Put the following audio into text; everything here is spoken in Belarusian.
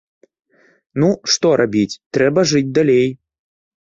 Ну, што рабіць, трэба жыць далей.